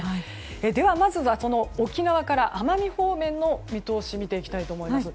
では沖縄から奄美方面の見通しを見ていきたいと思います。